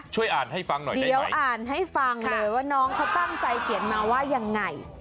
ช่วยอ่านให้ฟังหน่อยเดี๋ยวอ่านให้ฟังเลยว่าน้องเขาตั้งใจเขียนมาว่ายังไง